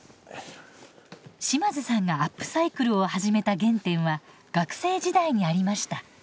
島津さんがアップサイクルを始めた原点は学生時代にありました。